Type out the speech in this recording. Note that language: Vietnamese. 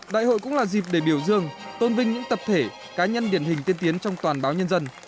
đại hội cũng là dịp để biểu dương tôn vinh những tập thể cá nhân điển hình tiên tiến trong toàn báo nhân dân